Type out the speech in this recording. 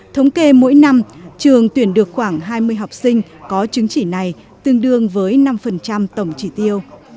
thống kê mỗi năm trường tuyển được khoảng hai mươi học sinh có chứng chỉ này tương đương với năm tổng chỉ tiêu